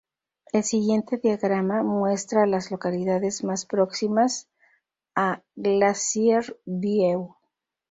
El siguiente diagrama muestra a las localidades más próximas a Glacier View.